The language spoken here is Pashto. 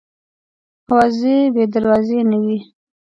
اوازې بې دروازې نه وي.